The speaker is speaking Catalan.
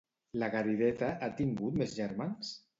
La Garideta ha tingut més germans?